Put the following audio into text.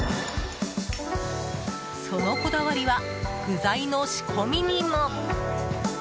そのこだわりは具材の仕込みにも。